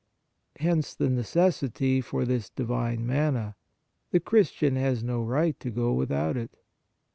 Hence the necessity for this Divine manna ; the Christian has no right to go without it.